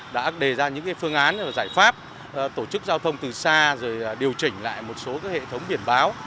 đã đề ra những phương án giải pháp tổ chức giao thông từ xa rồi điều chỉnh lại một số hệ thống biển báo